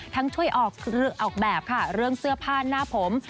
ช่วยออกแบบค่ะเรื่องเสื้อผ้าหน้าผม